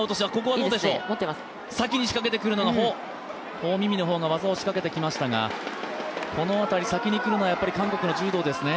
ホ・ミミの方が先に技をしかけてきましたが、この辺り、先にくるのは韓国の柔道ですね。